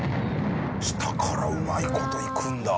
下からうまい事いくんだ。